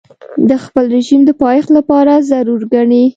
د خپل رژیم د پایښت لپاره ضرور ګڼي.